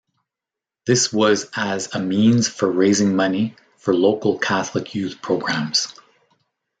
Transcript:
This was as a means for raising money for local Catholic youth programs.